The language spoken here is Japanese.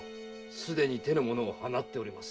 すでに手の者を放っております。